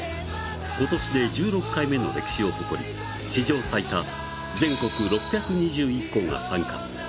今年で１６回目の歴史を誇り史上最多全国６２１校が参加。